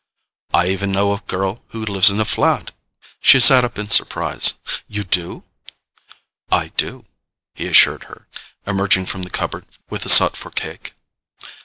"I even know a girl who lives in a flat." She sat up in surprise. "You do?" "I do," he assured her, emerging from the cupboard with the sought for cake.